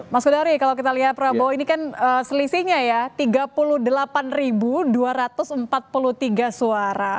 mas hudari kalau kita lihat prabowo ini kan selisihnya ya tiga puluh delapan dua ratus empat puluh tiga suara